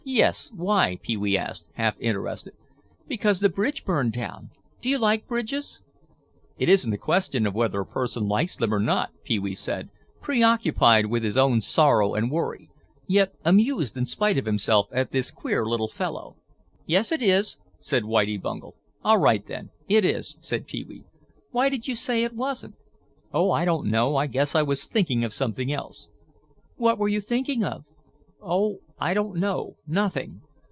"Yes, why?" Pee wee asked, half interested. "Because the bridge burned down. Do you like bridges?" "It isn't a question of whether a person likes them or not," Pee wee said, preoccupied with his own sorrow and worry, yet amused in spite of himself at this queer little fellow. "Yes it is," said Whitie Bungel. "All right then, it is," said Pee wee. "Why did you say it wasn't?" "Oh, I don't know, I guess I was thinking of something else." "What were you thinking of?" "Oh, I don't know—nothing."